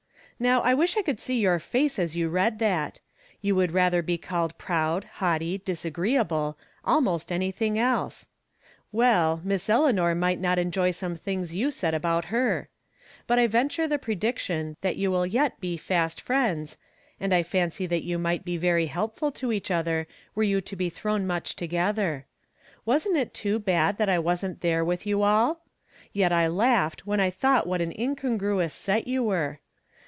Now, I wish I could see your face as you read that ! You would rather be called proud, haughty, disagreeable, almost anything else. "Well, Miss Eleanor might not enjoy some things you said about her. But I venture the predic tion that you will yet be fast friends, and I fancy that you might be very helpful to each other were you to be thrown much together. Wasn't it too bad that I wasn't there with you all ! Yet I laughed when I thought what an incongruous set you were.